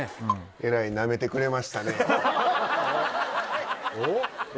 えらいなめてくれましたね